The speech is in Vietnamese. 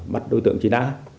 bắt đối tượng chiến áp